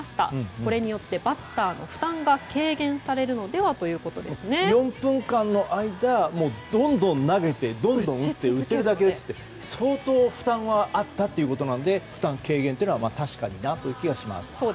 これによってバッターの負担が軽減されるのでは４分間の間どんどん投げて、打って打てるだけ打つって相当負担はあったってことなので負担軽減というのは確かにという気がします。